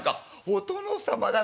「お殿様が。